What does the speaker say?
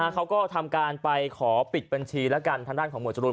เขาก็ทำการไปขอปิดบัญชีแล้วกันทางด้านของหวดจรูน